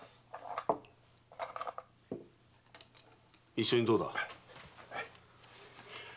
一緒にどうだ？